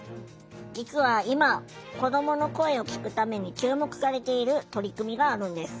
実は今子どもの声を聴くために注目されている取り組みがあるんです。